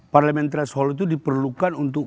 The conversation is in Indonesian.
parlementary threshold itu diperlukan untuk